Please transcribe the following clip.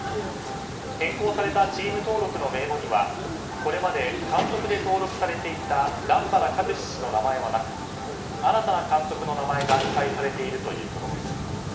変更されたチーム登録の名簿にはこれまで監督で登録されていた段原一詞氏の名前はなく新たな監督の名前が記載されているということです。